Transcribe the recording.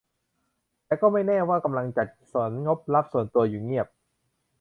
แต่ก็ไม่แน่ว่ากำลังจัดสรรงบลับส่วนตัวอยู่เงียบ